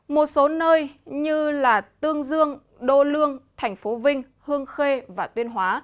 một số nơi như tương dương đô lương tp vinh hương khê và tuyên hóa